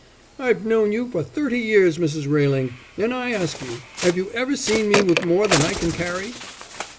"I've known you for thirty years, Mrs. Railing, and I ask you, 'ave you ever seen me with more than I can carry?"